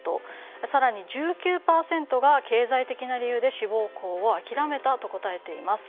更に１９％が経済的な理由で志望校を諦めたと答えています。